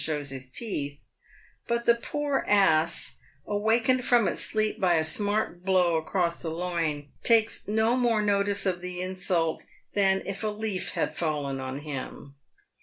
shows his teeth ; hut the poor ass, awakened from its sleep by a smart blow across the loin, takes no more notice of the insult than if a leaf had fallen on him.